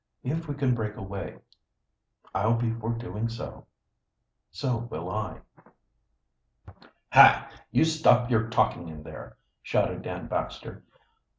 If we can break away, I'll be for doing so." "So will I." "Hi, you stop your talking in there!" shouted Dan Baxter.